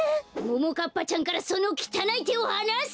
ももかっぱちゃんからそのきたないてをはなせ！